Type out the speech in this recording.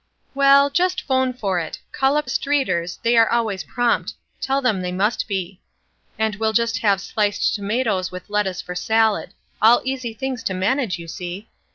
Well, just phone for it; call up Streator's, they are always prompt; tell them they must be. And we'll just have shced tomatoes with lettuce for salad ; all easy things to manage, you see.